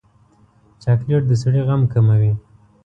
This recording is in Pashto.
چاکلېټ د سړي غم کموي.